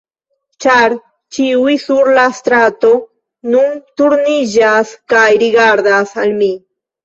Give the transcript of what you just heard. ĉar ĉiuj sur la strato nun turniĝas kaj rigardas al mi.